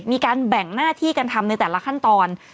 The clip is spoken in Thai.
มีการแบ่งหน้าที่กันทำในแต่ละขั้นตอน